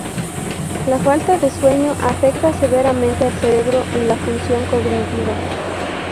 La falta de sueño afecta severamente al cerebro y la función cognitiva.